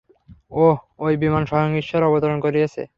ওহ, ওই বিমান স্বয়ং ঈশ্বর অবতরণ করিয়েছে?